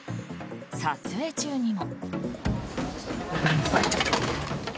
撮影中にも。